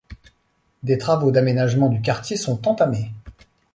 Des travaux d’aménagement du quartier sont entamés.